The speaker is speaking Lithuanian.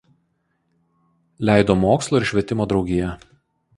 Leido Mokslo ir švietimo draugija.